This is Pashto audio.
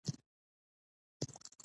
خوړل له نعمته مننه ده